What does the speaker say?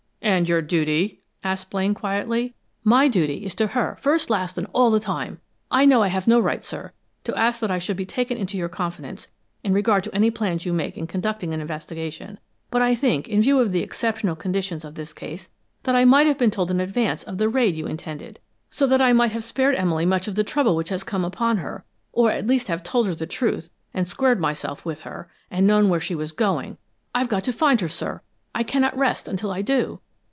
"And your duty?" asked Blaine quietly. "My duty is to her first, last, and all the time! I know I have no right, sir, to ask that I should be taken into your confidence in regard to any plans you make in conducting an investigation, but I think in view of the exceptional conditions of this case that I might have been told in advance of the raid you intended, so that I might have spared Emily much of the trouble which has come upon her, or at least have told her the truth, and squared myself with her, and known where she was going. I've got to find her, sir! I cannot rest until I do!"